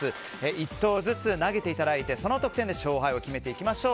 １投ずつ投げていただいてその得点で勝敗を決めていきましょう。